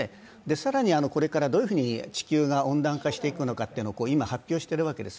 更にこれからどういうふうに地球が温暖化していくか今、発表しているわけです。